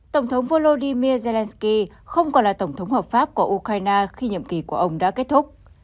tổng thống volodymyr zelensky không còn là tổng thống hợp pháp của ukraine khi nhiệm kỳ của ông đã kết thúc